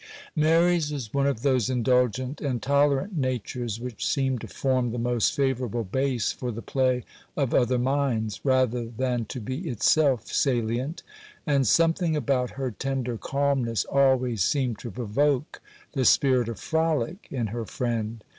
Mary's was one of those indulgent and tolerant natures which seem to form the most favourable base for the play of other minds, rather than to be itself salient,—and something about her tender calmness always seemed to provoke the spirit of frolic in her friend.